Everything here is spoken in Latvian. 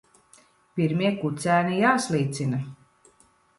Pirmie kucēni jāslīcina.